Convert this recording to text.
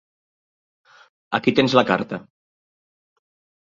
Aquí tens la carta.